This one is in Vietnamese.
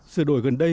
sự đổi gần đây